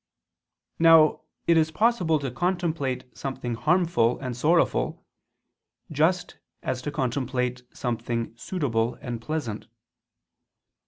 Now it is possible to contemplate something harmful and sorrowful, just as to contemplate something suitable and pleasant.